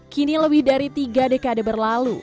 kini lebih dari tiga dekade berlalu